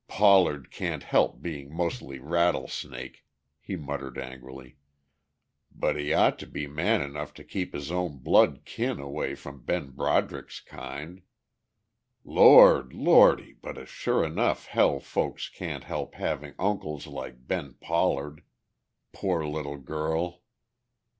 "Pollard can't help being mostly rattlesnake," he muttered angrily. "But he ought to be man enough to keep his own blood kin away from Ben Broderick's kind. Lord, Lordy, but it's sure enough hell folks can't help having uncles like Ben Pollard. Poor little girl!"